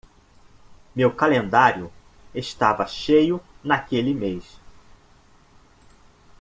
Meu calendário estava cheio naquele mês.